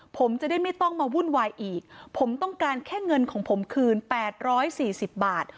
ผมจะได้ไม่ต้องมาวุ่นวายอีกผมต้องการแค่เงินของผมคืน๘๔๐บาท